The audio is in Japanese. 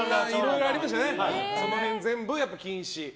その辺、全部禁止。